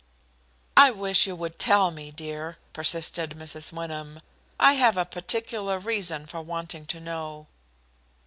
"I wish you would tell me, dear," persisted Mrs. Wyndham. "I have a particular reason for wanting to know."